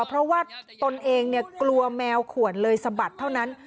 เพราะว่าตนเองกลัวแมวขวดเลยสะบัดเท่านั้น